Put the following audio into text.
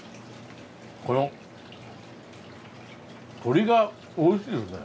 この鶏がおいしいですね。